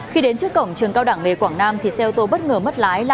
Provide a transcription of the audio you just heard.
khi đến trước cổng trường cao đảng nghề quảng nam